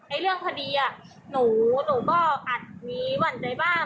ไอ้เรื่องพอดีอ่ะหนูก็อาจมีหวั่นใจบ้าง